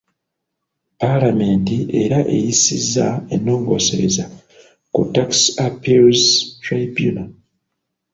Paalamenti era eyisizza ennongoosereza ku Tax Appeals Tribunal.